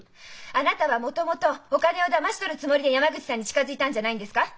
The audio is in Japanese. あなたはもともとお金をだまし取るつもりで山口さんに近づいたんじゃないんですか！？